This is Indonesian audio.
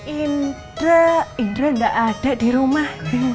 indra nggak ada di rumah